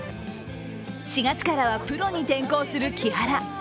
４月からはプロに転向する木原。